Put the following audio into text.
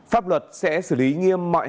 pháp luật sẽ xử lý nghiêm mọi